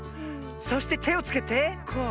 そしててをつけてこう。